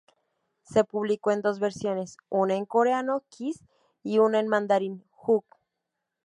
Se publicó en dos versiones, una en coreano, "Kiss", y una en mandarín, "Hug".